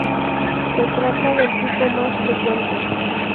Se trata del tipo más frecuente.